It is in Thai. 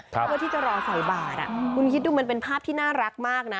เพื่อที่จะรอใส่บาทคุณคิดดูมันเป็นภาพที่น่ารักมากนะ